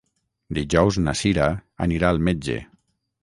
Dijous na Cira anirà al metge.